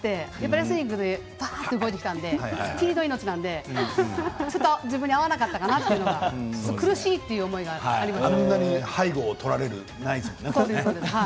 レスリングで、ばーっと動いてきたのでスピードが命なのでちょっと自分に合わなかったかなと苦しいという思いがありました。